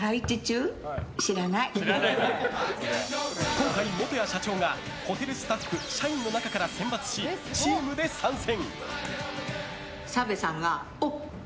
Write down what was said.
今回、元谷社長がホテルスタッフ・社員の中から選抜し、チームで参戦！